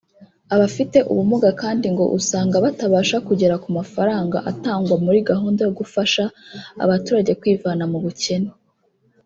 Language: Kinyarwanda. Abafite ubumuga kandi ngo usanga batabasha kugera ku mafaranga atangwa muri gahunda yo gufasha abaturage kwivana mu bukene